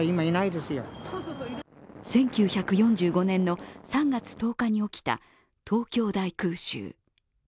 １９４５年の３月１０日に起きた東京大空襲。